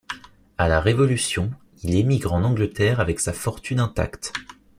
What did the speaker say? À la Révolution, il émigre en Angleterre avec sa fortune intacte.